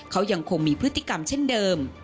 เขายังคงมีพฤติกรรมเช่นเดิม